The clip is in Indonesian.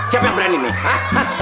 siapa yang berani nih